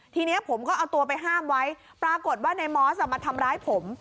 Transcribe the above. ทีนี้ผมก็เอาตัวไปห้ามไว้ปรากฏว่าในมอสมาทำร้ายผม